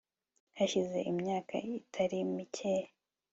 Hashize imyaka itali mikeya